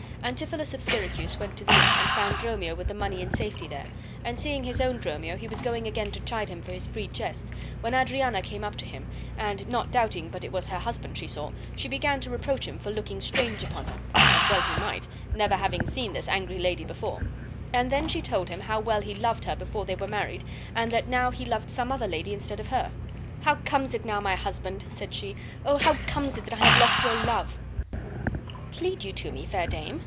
Antipholus of Syracuse went to the inn, and found Dromio with the money in safety there, and, seeing his own Dromio, he was going again to chide him for his free jests, when Adriana came up to him, and, not doubting but it was her husband she saw, she began to reproach him for looking strange upon her (as well he might, never having seen this angry lady before); and then she told him how well he loved her before they were married, and that now he loved some other lady instead of her. "How comes it now, my husband," said she, "oh, how comes it that I have lost your love?" "Plead you to me, fair dame?"